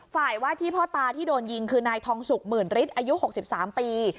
ฝ่ายว่าที่พ่อตาที่โดนยิงคือนายทองสุก๑๐๐๐๐ริตรอายุ๖๓ปี